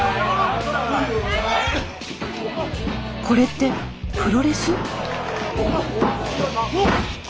これってプロレス！？